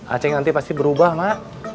acing nanti pasti berubah mak